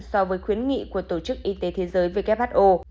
so với khuyến nghị của tổ chức y tế thế giới who